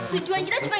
dimi lo main baseball